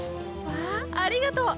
わありがとう。